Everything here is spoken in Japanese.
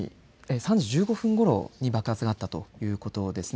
３時１５分ごろに爆発があったということですね